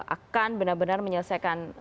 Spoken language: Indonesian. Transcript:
akan benar benar menyelesaikan secara terbaik